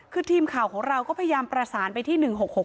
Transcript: คือทีมข่าวของเราก็พยายามประสานไปที่๑๖๖